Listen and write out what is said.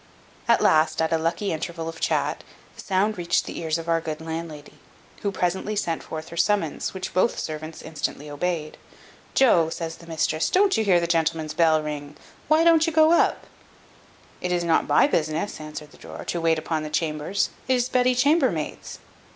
At last, at a lucky interval of chat, the sound reached the ears of our good landlady, who presently sent forth her summons, which both her servants instantly obeyed. "Joe," says the mistress, "don't you hear the gentleman's bell ring? Why don't you go up?" "It is not my business," answered the drawer, "to wait upon the chambers it is Betty Chambermaid's."